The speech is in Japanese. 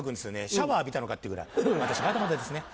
シャワー浴びたのかっていうぐらい私まだまだですね。